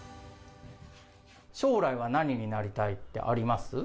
将来は何になりたいってあります？